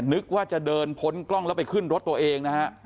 นึกว่าจะเดินพ้นกล้องแล้วไปขึ้นรถตัวเองนะฮะ